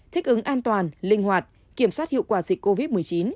thích ứng an toàn linh hoạt kiểm soát hiệu quả dịch covid một mươi chín